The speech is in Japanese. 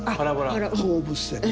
放物線ね。